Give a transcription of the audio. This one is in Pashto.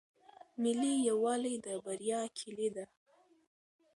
ملي یووالی د بریا کیلي ده.